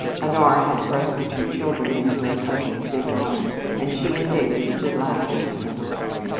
Honora had thrust the two children into her cousin's big arms and she and David stood laughing at him.